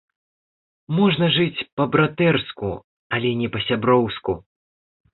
Можна жыць па-братэрску, але не па-сяброўску.